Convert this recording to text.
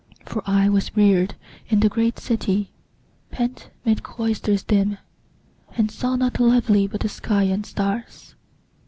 For I was reared In the great city, pent 'mid cloisters dim, And saw nought lovely but the sky and stars.